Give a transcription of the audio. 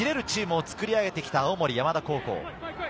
やりきれるチームを作り上げてきた青森山田高校。